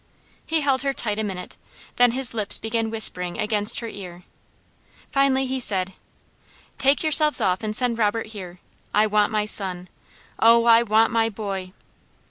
He held her tight a minute, then his lips began whispering against her ear. Finally he said: "Take yourselves off, and send Robert here. I want my son. Oh I want my boy!"